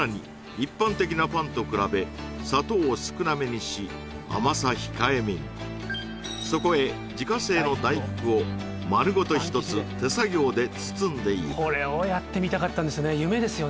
一般的なパンと比べ砂糖を少なめにし甘さ控えめにそこへ自家製の大福を丸ごと一つ手作業で包んでいくこれをやってみたかったんですよ